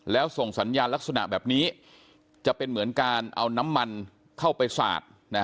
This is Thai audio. แล้วส่งสัญญาณลักษณะแบบนี้จะเป็นเหมือนการเอาน้ำมันเข้าไปสาด